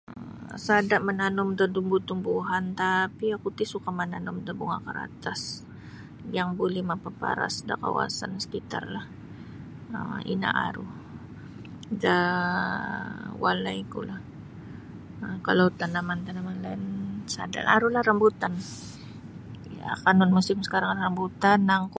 Sada sa mananum da tumbu-tumbuan tapi oku ti suka mananum da bunga karatas yang buli mapaparas da kawasan sekitarlah um ino aru da walai ku lah kalau tanaman-tanaman lain sada lah aru lah rambutan akanun musim sakarang lah rambutan nangku.